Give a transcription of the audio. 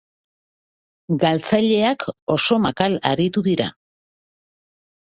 Galtzaileak oso makal aritu dira.